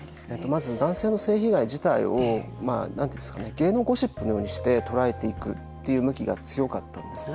まず男性の性被害自体を芸能ゴシップのようにして捉えていくという向きが強かったんですね。